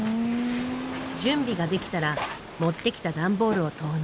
準備ができたら持って来たダンボールを投入。